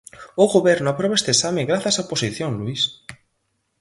O Goberno aproba este exame grazas á oposición, Luís.